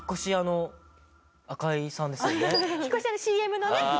引っ越し屋のＣＭのね。